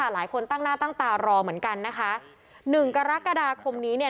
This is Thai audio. หลายคนตั้งหน้าตั้งตารอเหมือนกันนะคะหนึ่งกรกฎาคมนี้เนี่ย